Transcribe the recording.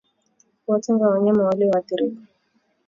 Kuwatenga wanyama walioathirika